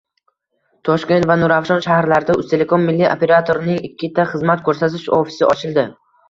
Toshkent va Nurafshon shaharlarida Uztelecom milliy operatorining ikkita xizmat ko‘rsatish ofisi ochildi